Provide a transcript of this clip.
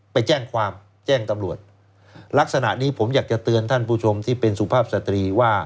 ไปแจ้งความแจ้งตำรวจลักษณะนี้ผมอยากจะเตือนท่านผู้ชมที่เป็นสุภาพสตรีว่า